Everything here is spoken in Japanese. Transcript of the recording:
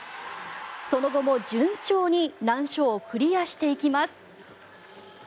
その後も順調に難所をクリアしていきます。